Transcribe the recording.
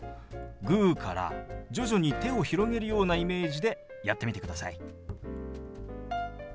グーから徐々に手を広げるようなイメージでやってみてください。